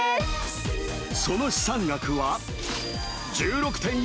その資産額は？